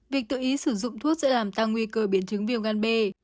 việc tự ý sử dụng thuốc sẽ làm tăng nguy cơ biến chứng viêm gan b